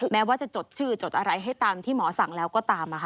แม้ว่าจะจดชื่อจดอะไรให้ตามที่หมอสั่งแล้วก็ตาม